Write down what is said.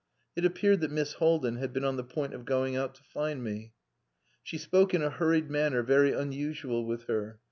It appeared that Miss Haldin had been on the point of going out to find me. She spoke in a hurried manner very unusual with her.